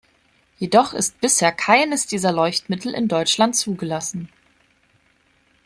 Jedoch ist bisher keines dieser Leuchtmittel in Deutschland zugelassen.